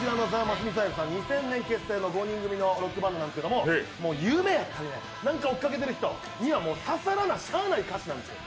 ２０００年結成の５人組のロックバンドなんですけど、夢やったり、何か追っかけている人には、刺ささらなしゃあない歌詞なんですよ。